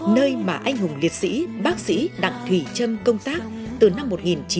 nơi mà anh hùng liệt sĩ bác sĩ đặng thủy trâm công tác từ năm một nghìn chín trăm sáu mươi bảy